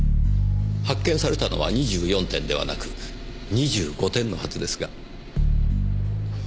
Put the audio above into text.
発見されたのは２４点ではなく２５点のはずですが？